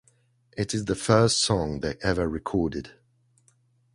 It is the first song they ever recorded.